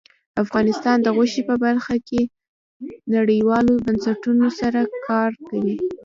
افغانستان د غوښې په برخه کې نړیوالو بنسټونو سره کار کوي.